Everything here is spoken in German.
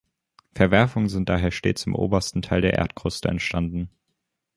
Verwerfungen sind daher stets im obersten Teil der Erdkruste entstanden.